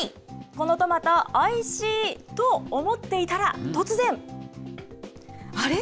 このトマトおいしい！と思っていたら、突然、あれ？